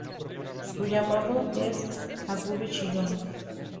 Su llamado es agudo y chillón.